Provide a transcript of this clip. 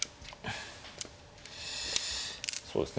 そうですね